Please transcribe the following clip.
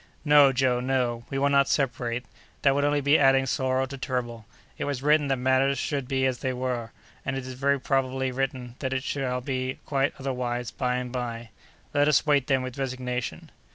"No, Joe, no! We will not separate. That would only be adding sorrow to trouble. It was written that matters should be as they are; and it is very probably written that it shall be quite otherwise by and by. Let us wait, then, with resignation."